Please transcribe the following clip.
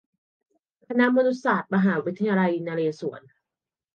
คณะมนุษยศาสตร์ มหาวิทยาลัยนเรศวร